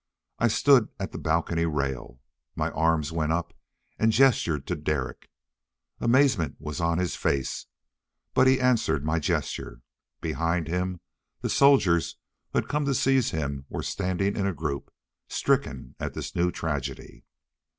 I stood at the balcony rail. My arms went up and gestured to Derek. Amazement was on his face, but he answered my gesture. Behind him the soldiers who had come to seize him were standing in a group, stricken at this new tragedy.